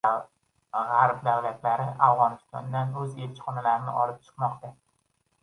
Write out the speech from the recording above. G‘arb davlatlari Afg‘onistondan o‘z elchixonalarini olib chiqmoqda